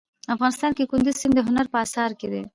افغانستان کې کندز سیند د هنر په اثار کې دی.